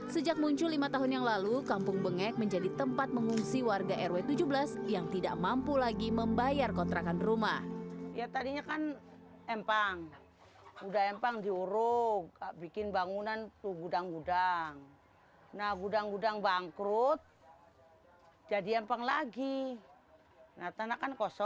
sejak muncul lima tahun yang lalu kampung bengek menjadi tempat mengungsi warga rw tujuh belas yang tidak mampu lagi membayar kontrakan rumah